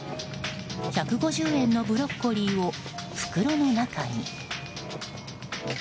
１５０円のブロッコリーを袋の中に。